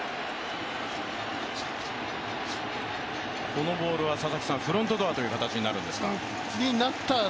このボールはフロントドアという形になるんですか。